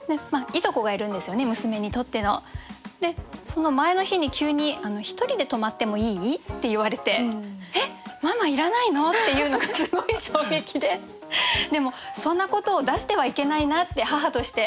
その前の日に急に「１人で泊まってもいい？」って言われて「えっママいらないの？」っていうのがすごい衝撃ででもそんなことを出してはいけないなって母として。